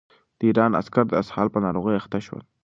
د ایران عسکر د اسهال په ناروغۍ اخته شول.